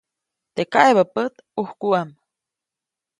Teʼ kaʼebä pät, ʼujkuʼam.